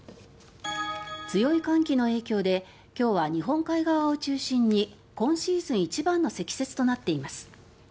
強い寒気の影響で今日は日本海側を中心に今シーズン一番の積雪となっています。